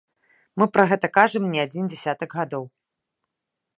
Мы пра гэта кажам не адзін дзясятак гадоў!